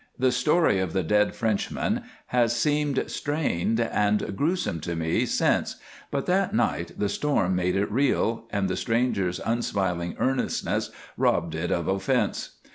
The story of the dead Frenchman has seemed strained and gruesome to me since, but that night the storm made it real, and the stranger's unsmiling earnestness robbed it of offense.